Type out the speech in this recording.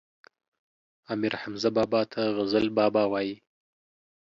امير حمزه بابا ته غزل بابا وايي